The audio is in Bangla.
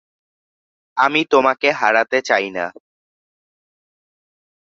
আমি তোমাকে হারাতে চাই না!